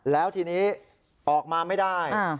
แล้วทีนี้ออกมาไม่ได้